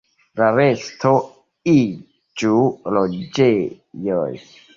La resto iĝu loĝejoj.